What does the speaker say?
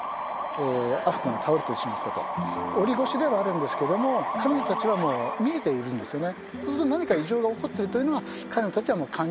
オリ越しではあるんですけども彼女たちはもう見えているんですよね。